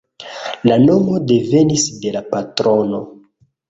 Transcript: La nomo devenis de la patrono.